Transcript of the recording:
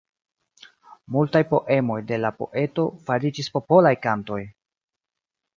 Multaj poemoj de la poeto fariĝis popolaj kantoj.